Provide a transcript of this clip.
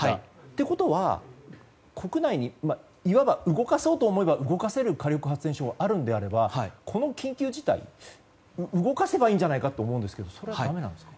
ということは、国内にいわば、動かそうと思えば動かせる火力発電所があるんであればこの緊急事態動かせばいいんじゃないかと思いますがそれはだめなんですか？